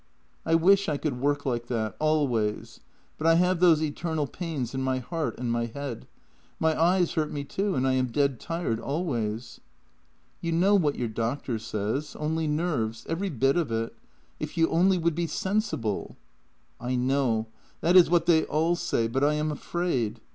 " I wish I could work like that — always — but I have those eternal pains in my heart and my head. My eyes hurt me too, and I am dead tired always." " You know what your doctor says — only nerves — every bit of it. If you only would be sensible! "" I know. That is what they all say, but I am afraid.